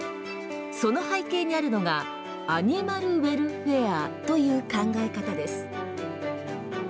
その背景にあるのがアニマルウェルフェアという考え方です。